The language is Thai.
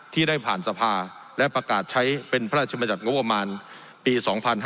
ที่ได้ผ่านสภาและประกาศใช้เป็นพระราชบัญญัติงบประมาณปี๒๕๕๙